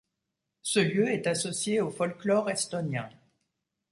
Ce lieu est associé au folklore estonien.